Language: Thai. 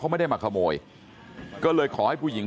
สวัสดีครับคุณผู้ชาย